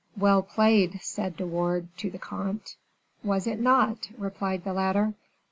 "Well played," said De Wardes, to the comte. "Was it not?" replied the latter.